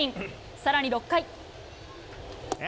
さらに６回。